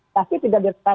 tapi tidak dikata